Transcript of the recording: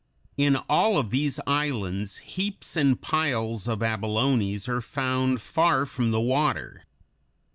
In all of these islands heaps and piles of abalones are found far from the water.